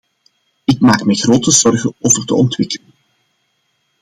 Ik maak mij grote zorgen over de ontwikkeling.